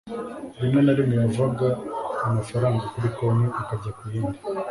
Rimwe na rimwe, yavaga amafaranga kuri konti akajya ku yindi,